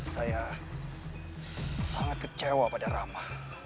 saya sangat kecewa pada rama